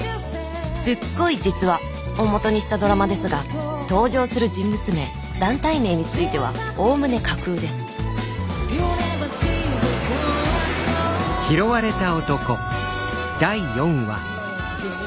すっごい実話！をもとにしたドラマですが登場する人物名団体名についてはおおむね架空ですおっびっくりした。